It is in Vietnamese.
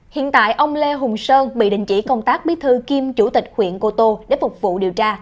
hiện tại ông lê hùng sơn bị đình chỉ công tác bí thư kiêm chủ tịch huyện cô tô để phục vụ điều tra